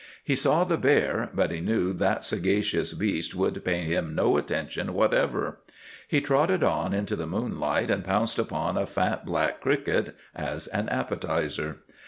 He saw the bear, but he knew that sagacious beast would pay him no attention whatever. He trotted out into the moonlight and pounced upon a fat black cricket as an appetizer.